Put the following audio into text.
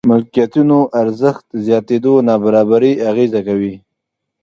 ملکيتونو ارزښت زياتېدو نابرابري اغېزه کوي.